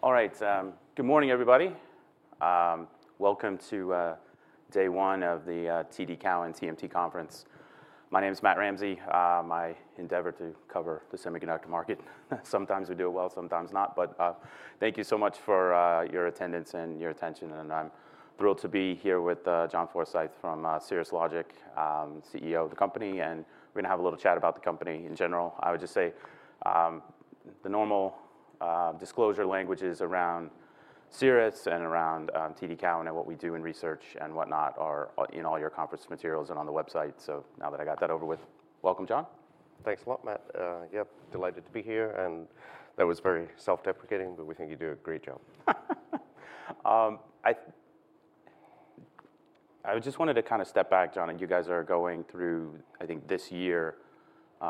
All right, good morning, everybody. Welcome to day one of the TD Cowen TMT Conference. My name is Matt Ramsay. My endeavor to cover the semiconductor market. Sometimes we do it well, sometimes not. But thank you so much for your attendance and your attention, and I'm thrilled to be here with John Forsyth from Cirrus Logic, CEO of the company, and we're gonna have a little chat about the company in general. I would just say the normal disclosure languages around Cirrus and around TD Cowen, and what we do in research and whatnot are in all your conference materials and on the website. So now that I got that over with, welcome, John. Thanks a lot, Matt. Yep, delighted to be here, and that was very self-deprecating, but we think you do a great job. I just wanted to kind of step back, John, and you guys are going through, I think, this year,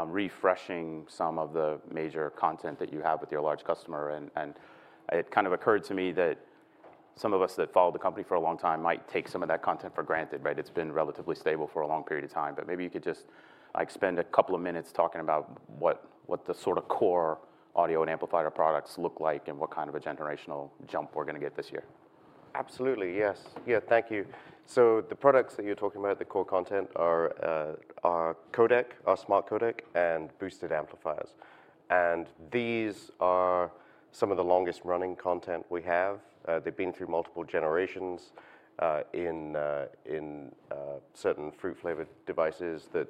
refreshing some of the major content that you have with your large customer. It kind of occurred to me that some of us that followed the company for a long time might take some of that content for granted, right? It's been relatively stable for a long period of time. But maybe you could just, like, spend a couple of minutes talking about what the sort of core audio and amplifier products look like, and what kind of a generational jump we're gonna get this year. Absolutely, yes. Yeah, thank you. So the products that you're talking about, the core content are codec, smart codec and boosted amplifiers. And these are some of the longest-running content we have. They've been through multiple generations in certain fruit-flavored devices that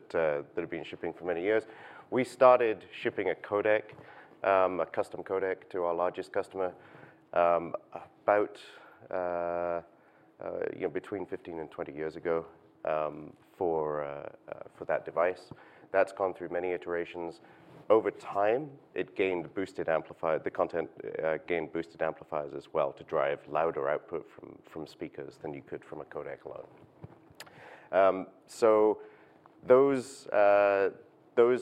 have been shipping for many years. We started shipping a codec, a custom codec, to our largest customer, about, you know, between 15 and 20 years ago, for that device. That's gone through many iterations. Over time, it gained boosted amplifier, the content gained boosted amplifiers as well to drive louder output from speakers than you could from a codec alone. So those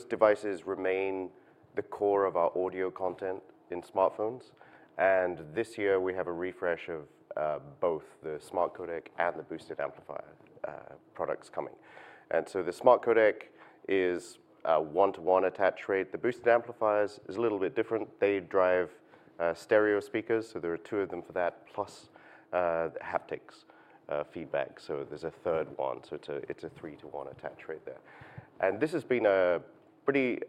devices remain the core of our audio content in smartphones, and this year we have a refresh of both the smart codec and the boosted amplifier products coming. And so the smart codec is a 1-to-1 attach rate. The boosted amplifiers is a little bit different. They drive stereo speakers, so there are two of them for that, plus haptic feedback, so there's a third one, so it's a 3-to-1 attach rate there. And this has been a pretty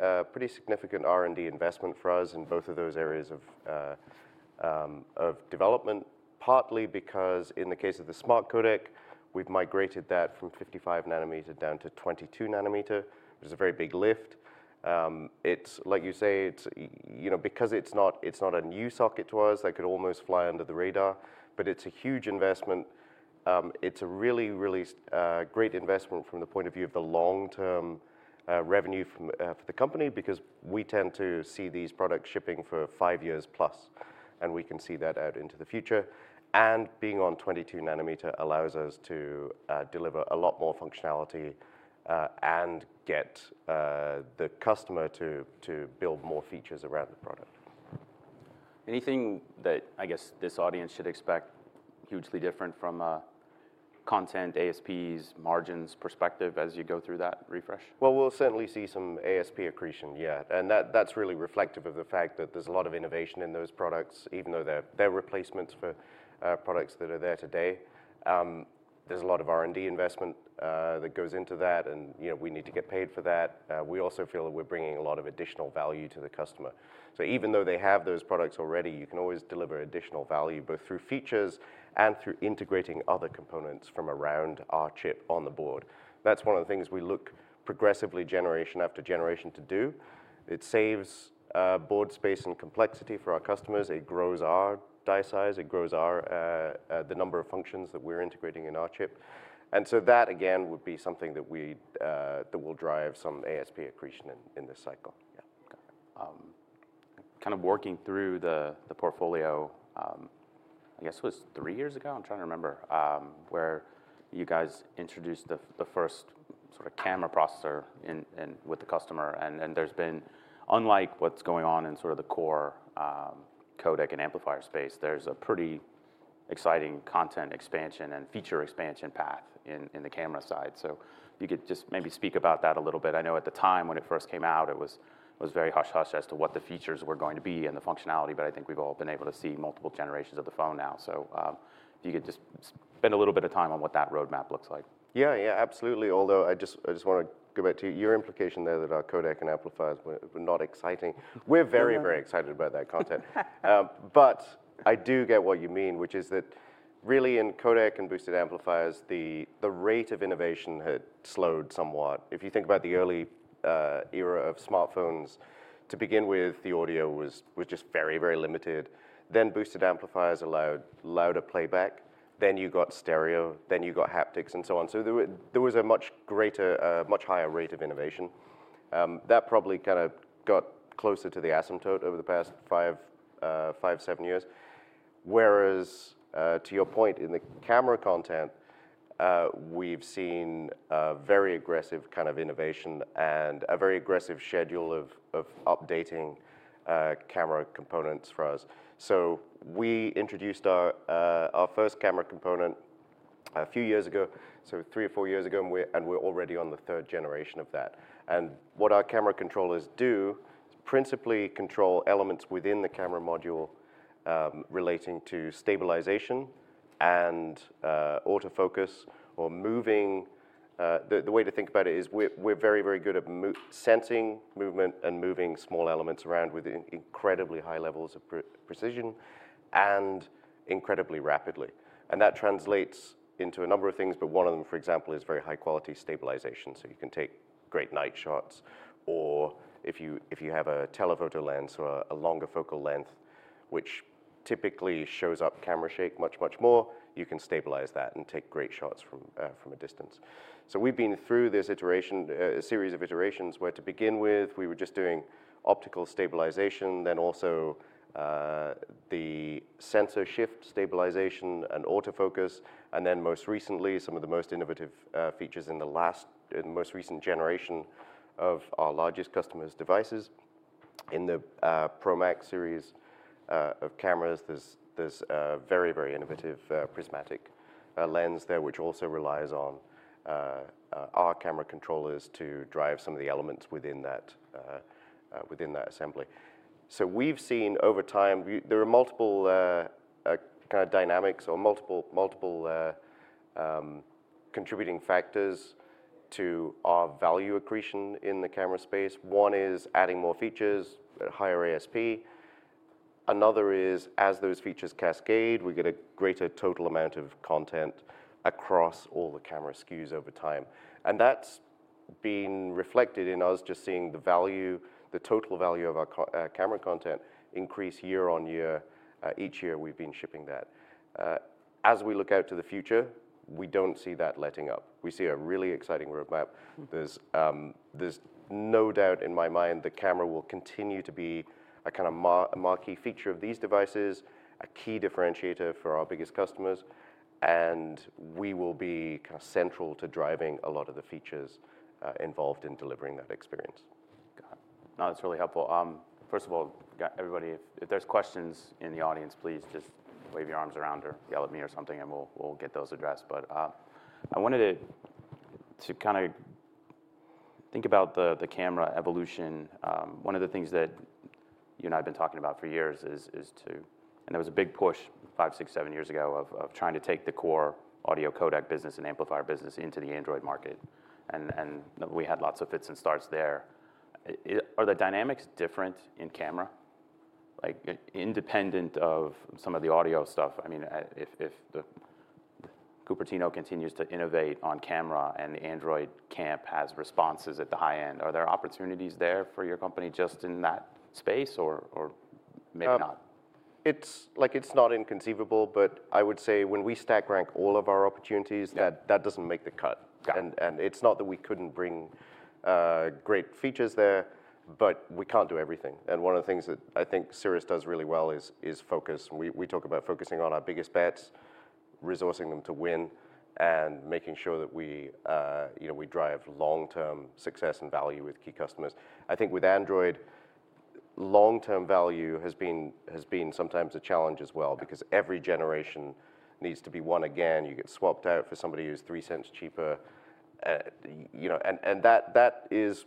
significant R&D investment for us in both of those areas of development. Partly because in the case of the smart codec, we've migrated that from 55 nanometer down to 22 nanometer, which is a very big lift. It's like you say, it's you know, because it's not a new socket to us, that could almost fly under the radar, but it's a huge investment. It's a really, really great investment from the point of view of the long-term revenue for the company, because we tend to see these products shipping for five years plus, and we can see that out into the future. And being on 22 nanometer allows us to deliver a lot more functionality, and get the customer to build more features around the product. Anything that I guess this audience should expect hugely different from a content, ASPs, margins perspective as you go through that refresh? Well, we'll certainly see some ASP accretion, yeah, and that, that's really reflective of the fact that there's a lot of innovation in those products, even though they're replacements for products that are there today. There's a lot of R&D investment that goes into that, and, you know, we need to get paid for that. We also feel that we're bringing a lot of additional value to the customer. So even though they have those products already, you can always deliver additional value, both through features and through integrating other components from around our chip on the board. That's one of the things we look progressively generation after generation to do. It saves board space and complexity for our customers. It grows our die size. It grows our the number of functions that we're integrating in our chip. And so that, again, would be something that we, that will drive some ASP accretion in, in this cycle. Yeah. Kind of working through the portfolio, I guess it was three years ago. I'm trying to remember where you guys introduced the first sort of camera processor in with the customer, and there's been, unlike what's going on in sort of the core codec and amplifier space, a pretty exciting content expansion and feature expansion path in the camera side. So if you could just maybe speak about that a little bit. I know at the time, when it first came out, it was very hush-hush as to what the features were going to be and the functionality, but I think we've all been able to see multiple generations of the phone now. So, if you could just spend a little bit of time on what that roadmap looks like. Yeah, yeah, absolutely. Although I just wanna go back to your implication there that our codec and amplifiers were not exciting. We're very, very excited about that content. But I do get what you mean, which is that really in codec and boosted amplifiers, the rate of innovation had slowed somewhat. If you think about the early era of smartphones, to begin with, the audio was just very, very limited. Then boosted amplifiers allowed louder playback, then you got stereo, then you got haptics, and so on. So there was a much greater, much higher rate of innovation. That probably kind of got closer to the asymptote over the past 5-7 years. Whereas, to your point, in the camera content, we've seen a very aggressive kind of innovation and a very aggressive schedule of updating camera components for us. So we introduced our first camera component a few years ago, so three or four years ago, and we're already on the third generation of that. And what our camera controllers do, principally control elements within the camera module, relating to stabilization and auto focus or moving. The way to think about it is we're very, very good at motion-sensing movement and moving small elements around with incredibly high levels of precision, and incredibly rapidly. And that translates into a number of things, but one of them, for example, is very high quality stabilization. So you can take great night shots, or if you have a telephoto lens or a longer focal length, which typically shows up camera shake much, much more, you can stabilize that and take great shots from a distance. So we've been through this iteration, series of iterations, where to begin with, we were just doing optical stabilization, then also the sensor shift stabilization and autofocus, and then most recently, some of the most innovative features in the most recent generation of our largest customers' devices. In the Pro Max series of cameras, there's a very, very innovative prismatic lens there, which also relies on our camera controllers to drive some of the elements within that assembly. So we've seen over time, there are multiple kind of dynamics or multiple contributing factors to our value accretion in the camera space. One is adding more features at a higher ASP. Another is, as those features cascade, we get a greater total amount of content across all the camera SKUs over time. And that's been reflected in us just seeing the value, the total value of our camera content increase year-on-year, each year we've been shipping that. As we look out to the future, we don't see that letting up. We see a really exciting roadmap. Mm. There's no doubt in my mind the camera will continue to be a kind of a marquee feature of these devices, a key differentiator for our biggest customers, and we will be kind of central to driving a lot of the features involved in delivering that experience. Got it. No, that's really helpful. First of all, everybody, if there's questions in the audience, please just wave your arms around or yell at me or something, and we'll get those addressed. I wanted to kind of think about the camera evolution. One of the things that you and I have been talking about for years is to... There was a big push, 5, 6, 7 years ago, of trying to take the core audio codec business and amplifier business into the Android market. We had lots of fits and starts there. Are the dynamics different in camera? Like, independent of some of the audio stuff, I mean, if the Cupertino continues to innovate on camera and the Android camp has responses at the high end, are there opportunities there for your company just in that space, or maybe not? It's, like, it's not inconceivable, but I would say, when we stack rank all of our opportunities- Yeah... that doesn't make the cut. Got it. And it's not that we couldn't bring great features there, but we can't do everything. And one of the things that I think Cirrus does really well is focus. We talk about focusing on our biggest bets, resourcing them to win, and making sure that we, you know, we drive long-term success and value with key customers. I think with Android, long-term value has been sometimes a challenge as well- Yeah... because every generation needs to be won again. You get swapped out for somebody who's three cents cheaper. You know, and that is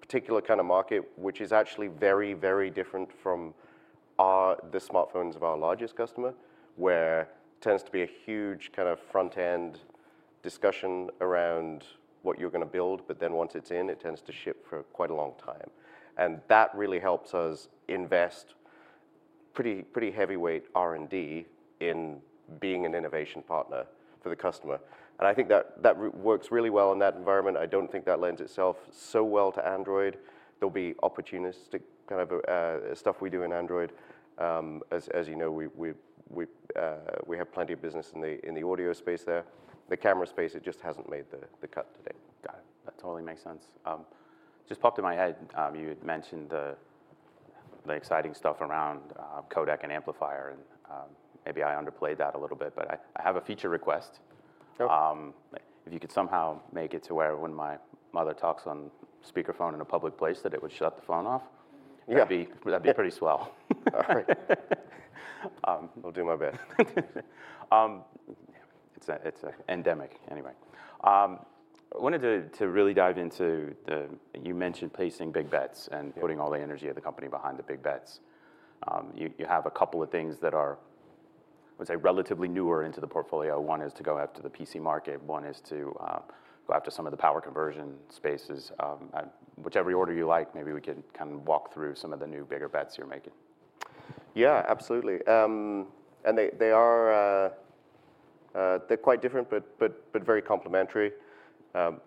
particular kind of market, which is actually very, very different from our, the smartphones of our largest customer, where tends to be a huge kind of front-end discussion around what you're gonna build, but then once it's in, it tends to ship for quite a long time. And that really helps us invest pretty, pretty heavyweight R&D in being an innovation partner for the customer. And I think that works really well in that environment. I don't think that lends itself so well to Android. There'll be opportunistic kind of stuff we do in Android. As you know, we have plenty of business in the audio space there. The camera space, it just hasn't made the cut today. Got it. That totally makes sense. Just popped in my head, you had mentioned the, the exciting stuff around, codec and amplifier, and, maybe I underplayed that a little bit, but I, I have a feature request. Sure. If you could somehow make it to where when my mother talks on speakerphone in a public place, that it would shut the phone off- Yeah... that'd be, that'd be pretty swell. All right. I'll do my best. It's endemic. Anyway, I wanted to really dive into the— you mentioned placing big bets- Yeah... and putting all the energy of the company behind the big bets. You have a couple of things that are, let's say, relatively newer into the portfolio. One is to go after the PC market, one is to go after some of the power conversion spaces. Whichever order you like, maybe we can kind of walk through some of the new bigger bets you're making. Yeah, absolutely. And they are quite different, but very complementary.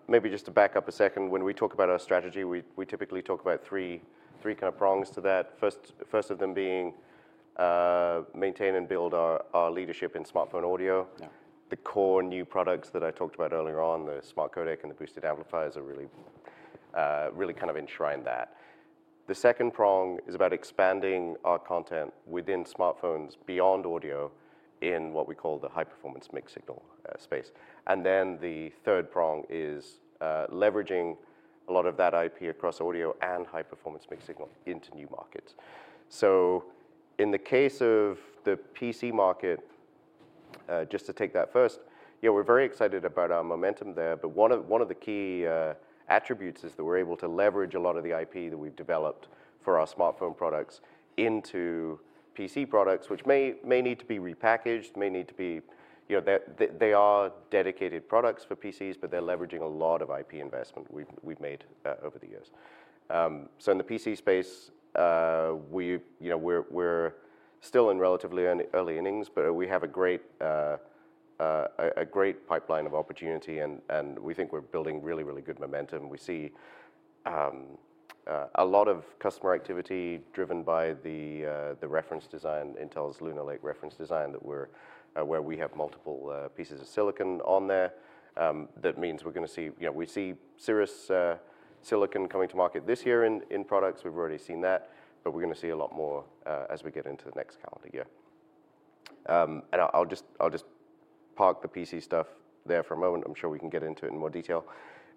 Maybe just to back up a second, when we talk about our strategy, we typically talk about three kind of prongs to that. First of them being, maintain and build our leadership in smartphone audio. Yeah. The core new products that I talked about earlier on, the smart codec and the boosted amplifiers, are really, really kind of enshrine that. The second prong is about expanding our content within smartphones beyond audio, in what we call the high-performance mixed signal space. And then, the third prong is leveraging a lot of that IP across audio and high-performance mixed signal into new markets. So in the case of the PC market... just to take that first, yeah, we're very excited about our momentum there. But one of the key attributes is that we're able to leverage a lot of the IP that we've developed for our smartphone products into PC products, which may need to be repackaged, may need to be... You know, they are dedicated products for PCs, but they're leveraging a lot of IP investment we've made over the years. So in the PC space, you know, we're still in relatively early innings, but we have a great pipeline of opportunity, and we think we're building really good momentum. We see a lot of customer activity driven by the reference design, Intel's Lunar Lake reference design that we're where we have multiple pieces of silicon on there. That means we're gonna see, you know, we see Cirrus silicon coming to market this year in products. We've already seen that, but we're gonna see a lot more as we get into the next calendar year. I'll just park the PC stuff there for a moment. I'm sure we can get into it in more detail.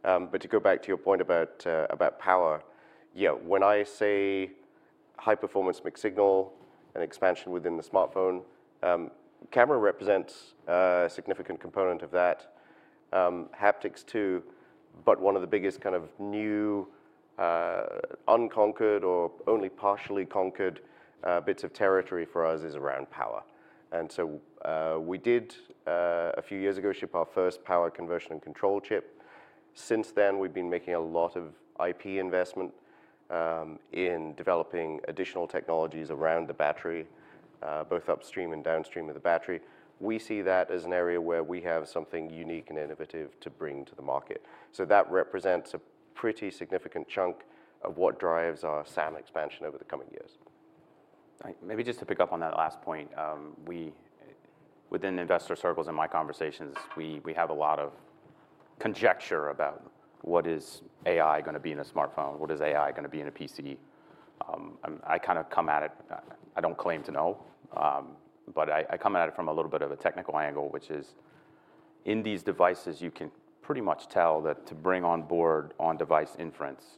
But to go back to your point about power, yeah, when I say high-performance mixed-signal and expansion within the smartphone, camera represents a significant component of that, haptics, too. But one of the biggest kind of new unconquered or only partially conquered bits of territory for us is around power. So, we did a few years ago ship our first power conversion and control chip. Since then, we've been making a lot of IP investment in developing additional technologies around the battery, both upstream and downstream of the battery. We see that as an area where we have something unique and innovative to bring to the market. So that represents a pretty significant chunk of what drives our SAM expansion over the coming years. Maybe just to pick up on that last point, we within investor circles in my conversations, we have a lot of conjecture about what is AI gonna be in a smartphone, what is AI gonna be in a PC? And I kind of come at it, I don't claim to know, but I come at it from a little bit of a technical angle, which is, in these devices, you can pretty much tell that to bring on board on-device inference,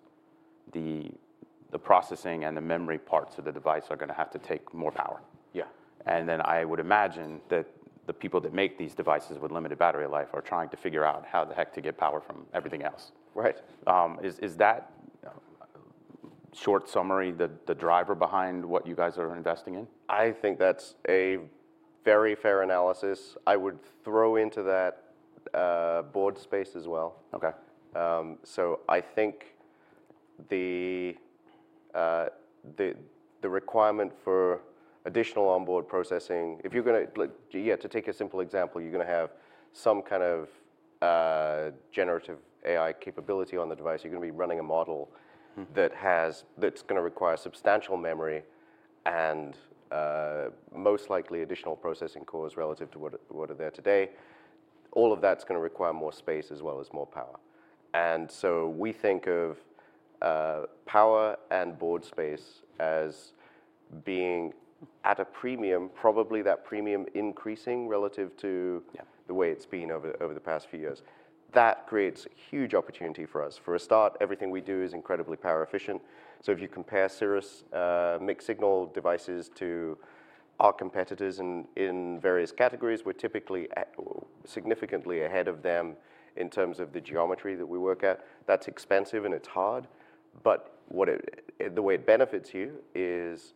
the processing and the memory parts of the device are gonna have to take more power. Yeah. Then, I would imagine that the people that make these devices with limited battery life are trying to figure out how the heck to get power from everything else. Right. Is that short summary the driver behind what you guys are investing in? I think that's a very fair analysis. I would throw into that, board space as well. Okay. So I think the requirement for additional onboard processing, if you're gonna, like, yeah, to take a simple example, you're gonna have some kind of generative AI capability on the device. You're gonna be running a model- Mm.... that has, that's gonna require substantial memory and, most likely, additional processing cores relative to what, what are there today. All of that's gonna require more space as well as more power. And so we think of, power and board space as being at a premium, probably that premium increasing relative to- Yeah... the way it's been over the past few years. That creates a huge opportunity for us. For a start, everything we do is incredibly power efficient. So if you compare Cirrus mixed signal devices to our competitors in various categories, we're typically significantly ahead of them in terms of the geometry that we work at. That's expensive and it's hard, but the way it benefits you is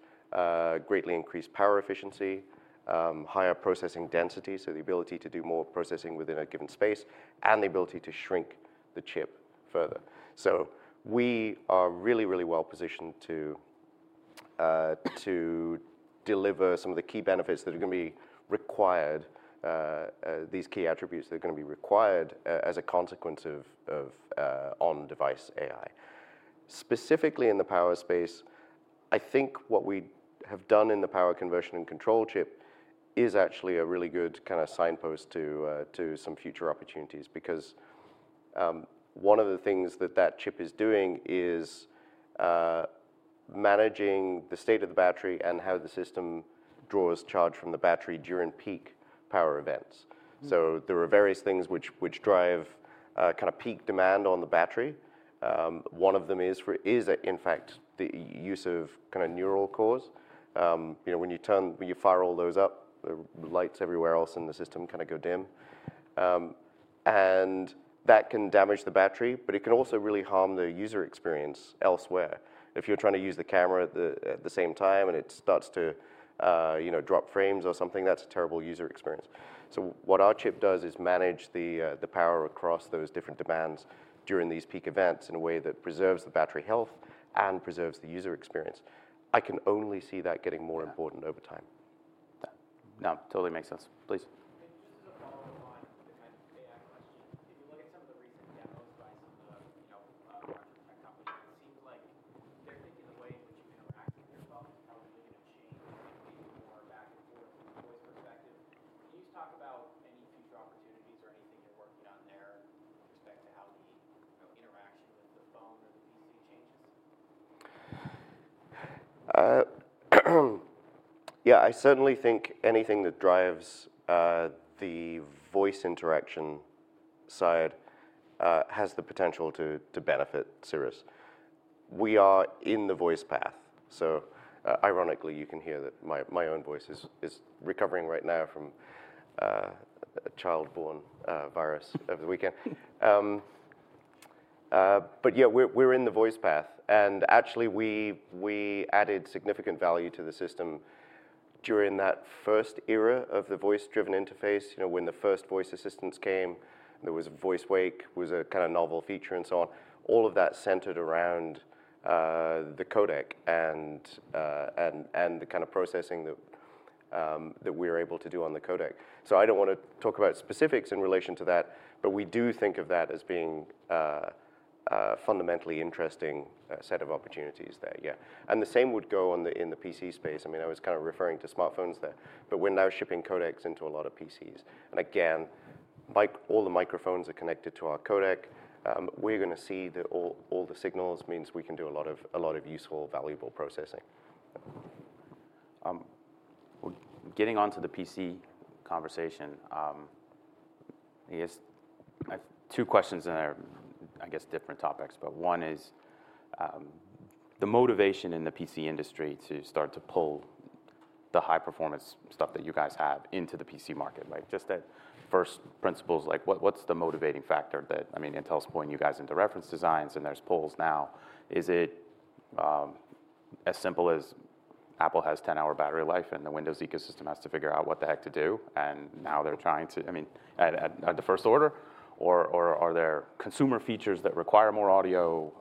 greatly increased power efficiency, higher processing density, so the ability to do more processing within a given space, and the ability to shrink the chip further. So we are really, really well positioned to deliver some of the key benefits that are gonna be required, these key attributes that are gonna be required as a consequence of on-device AI. Specifically in the power space, I think what we have done in the power conversion and control chip is actually a really good kind of signpost to some future opportunities. Because, one of the things that that chip is doing is managing the state of the battery and how the system draws charge from the battery during peak power events. Mm. So there are various things which drive kinda peak demand on the battery. One of them is in fact the use of kinda neural cores. You know, when you fire all those up, the lights everywhere else in the system kinda go dim. And that can damage the battery, but it can also really harm the user experience elsewhere. If you're trying to use the camera at the same time and it starts to you know, drop frames or something, that's a terrible user experience. So what our chip does is manage the power across those different demands during these peak events in a way that preserves the battery health and preserves the user experience. I can only see that getting more important- Yeah... over time. Yeah. No, totally makes sense. Please. Just as a follow on the kind of AI question, if you look at some of the recent demos by some of the, you know, tech companies, it seems like they're thinking the way in which you interact with your phone is probably going to change and be more back and forth from a voice perspective. Can you just talk about any future opportunities or anything you're working on there with respect to how the, you know, interaction with the phone or the PC changes? Yeah, I certainly think anything that drives the voice interaction side has the potential to benefit Cirrus. We are in the voice path, so ironically, you can hear that my own voice is recovering right now from a childborne virus over the weekend. But yeah, we're in the voice path, and actually we added significant value to the system during that first era of the voice-driven interface. You know, when the first voice assistants came, there was voice wake, a kind of novel feature and so on. All of that centered around the codec and the kind of processing that we were able to do on the codec. So I don't want to talk about specifics in relation to that, but we do think of that as being a fundamentally interesting set of opportunities there, yeah. And the same would go in the PC space. I mean, I was kind of referring to smartphones there, but we're now shipping codecs into a lot of PCs. And again, all the microphones are connected to our codec. We're going to see all the signals, means we can do a lot of, a lot of useful, valuable processing. Getting onto the PC conversation, I guess I have two questions and they're, I guess, different topics. But one is, the motivation in the PC industry to start to pull the high-performance stuff that you guys have into the PC market. Like, just at first principles, like, what, what's the motivating factor that—I mean, Intel's pulling you guys into reference designs, and there's pulls now. Is it, as simple as Apple has 10-hour battery life, and the Windows ecosystem has to figure out what the heck to do, and now they're trying to... I mean, at the first order? Or, are there consumer features that require more audio?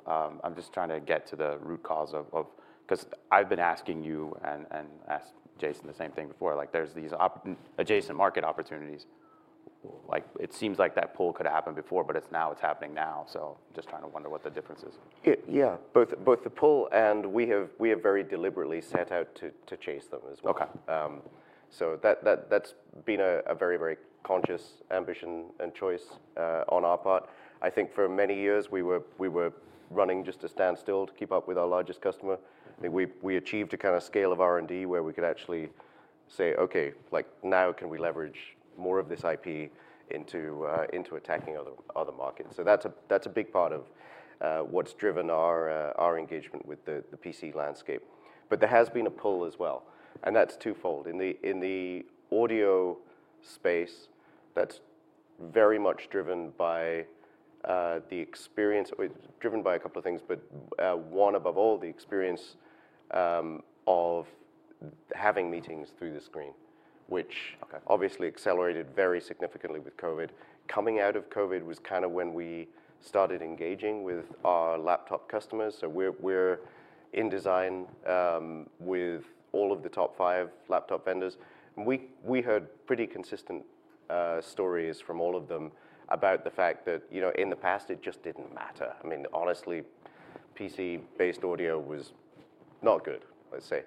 I'm just trying to get to the root cause of—'cause I've been asking you, and asked Jason the same thing before, like, there's these op-adjacent market opportunities. Like, it seems like that pull could have happened before, but it's now, it's happening now, so just trying to wonder what the difference is. Yeah, both, both the pull, and we have, we have very deliberately set out to, to chase them as well. Okay. So that's been a very conscious ambition and choice on our part. I think for many years we were running just to stand still to keep up with our largest customer. I think we achieved a kind of scale of R&D where we could actually say: Okay, like, now can we leverage more of this IP into attacking other markets? So that's a big part of what's driven our engagement with the PC landscape. But there has been a pull as well, and that's twofold. In the audio space, that's very much driven by the experience, driven by a couple of things, but one above all, the experience of having meetings through the screen, which- Okay... obviously accelerated very significantly with COVID. Coming out of COVID was kind of when we started engaging with our laptop customers, so we're in design with all of the top five laptop vendors. And we heard pretty consistent stories from all of them about the fact that, you know, in the past, it just didn't matter. I mean, honestly, PC-based audio was not good, let's say.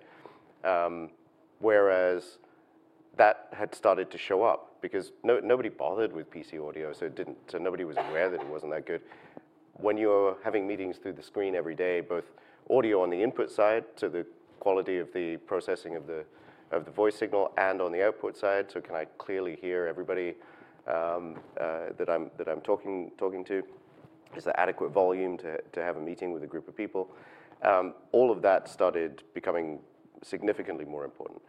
Whereas that had started to show up because nobody bothered with PC audio, so it didn't, so nobody was aware that it wasn't that good. When you're having meetings through the screen every day, both audio on the input side, so the quality of the processing of the voice signal, and on the output side, so can I clearly hear everybody that I'm talking to? Is there adequate volume to have a meeting with a group of people? All of that started becoming significantly more important.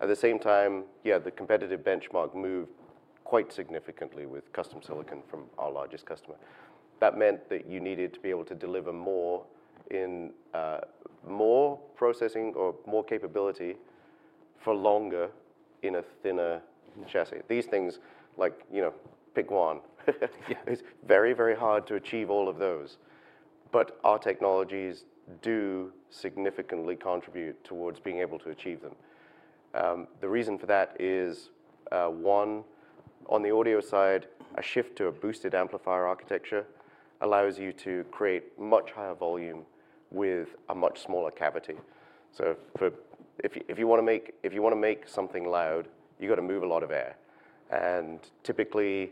At the same time, yeah, the competitive benchmark moved quite significantly with custom silicon from our largest customer. That meant that you needed to be able to deliver more in more processing or more capability for longer in a thinner chassis. These things like, you know, pick one. Yeah. It's very, very hard to achieve all of those, but our technologies do significantly contribute towards being able to achieve them. The reason for that is, one, on the audio side, a shift to a boosted amplifier architecture allows you to create much higher volume with a much smaller cavity. So if you wanna make something loud, you've got to move a lot of air. And typically,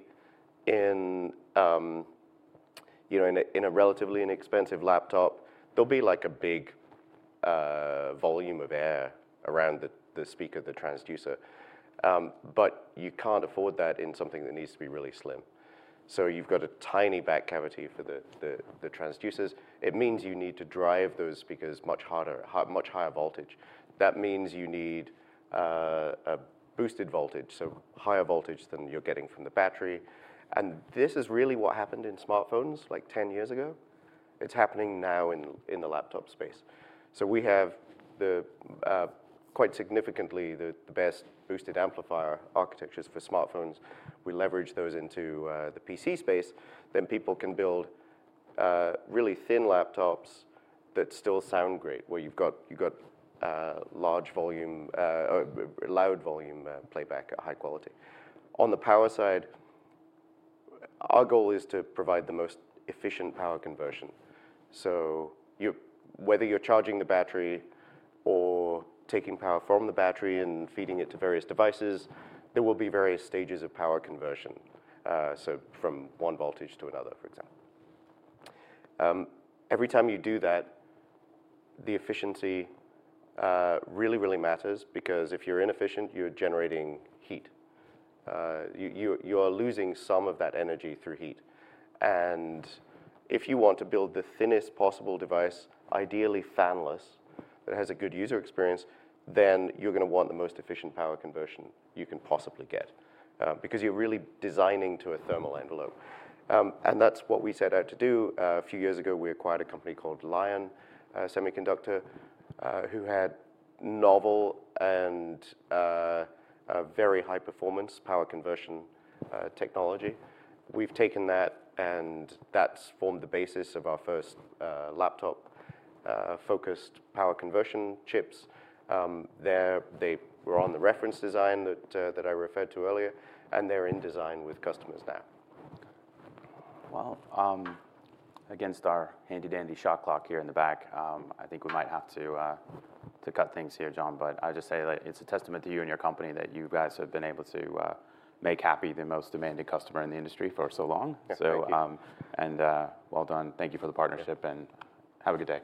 in you know, a relatively inexpensive laptop, there'll be like a big volume of air around the speaker, the transducer. But you can't afford that in something that needs to be really slim. So you've got a tiny back cavity for the transducers. It means you need to drive those speakers much harder, much higher voltage. That means you need a boosted voltage, so higher voltage than you're getting from the battery. And this is really what happened in smartphones like 10 years ago. It's happening now in the laptop space. So we have quite significantly the best boosted amplifier architectures for smartphones. We leverage those into the PC space, then people can build really thin laptops that still sound great, where you've got large volume or loud volume playback at high quality. On the power side, our goal is to provide the most efficient power conversion. So you whether you're charging the battery or taking power from the battery and feeding it to various devices, there will be various stages of power conversion, so from one voltage to another, for example. Every time you do that, the efficiency really, really matters, because if you're inefficient, you're generating heat. You are losing some of that energy through heat. And if you want to build the thinnest possible device, ideally fanless, that has a good user experience, then you're gonna want the most efficient power conversion you can possibly get, because you're really designing to a thermal envelope. And that's what we set out to do. A few years ago, we acquired a company called Lion Semiconductor, who had novel and a very high performance power conversion technology. We've taken that, and that's formed the basis of our first laptop focused power conversion chips. They were on the reference design that I referred to earlier, and they're in design with customers now. Well, against our handy dandy shot clock here in the back, I think we might have to cut things here, John. But I just say that it's a testament to you and your company that you guys have been able to make happy the most demanding customer in the industry for so long. Thank you. Well done. Thank you for the partnership- Yeah... and have a good day.